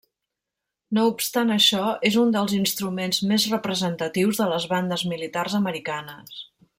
No obstant això, és un dels instruments més representatius de les bandes militars americanes.